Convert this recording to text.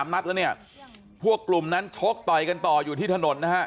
นัดแล้วเนี่ยพวกกลุ่มนั้นชกต่อยกันต่ออยู่ที่ถนนนะฮะ